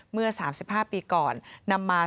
เมื่อ๓๕ปีก่อนนำมา